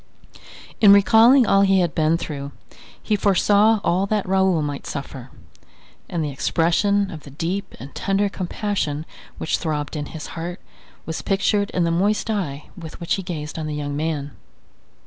In recalling all he had been through, he foresaw all that Raoul might suffer; and the expression of the deep and tender compassion which throbbed in his heart was pictured in the moist eye with which he gazed on the young man.